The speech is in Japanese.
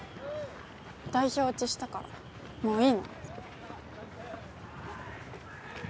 代表落ちしたからもういいの